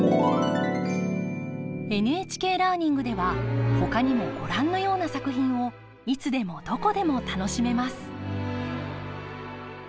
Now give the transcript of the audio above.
ＮＨＫラーニングではほかにもご覧のような作品をいつでもどこでも楽しめます！